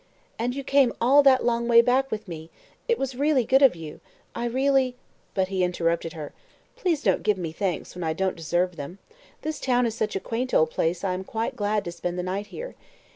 '" "And you came all that long way back with me I It was good of you. I really " But he interrupted her. "Please don't give me thanks when I don't deserve them. This town is such a quaint old place I am quite glad to spend the night here.